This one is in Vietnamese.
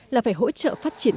là phải hỗ trợ phát triển